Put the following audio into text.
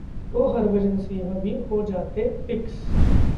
...तो हरभजन सिंह भी हो जाते फिक्स!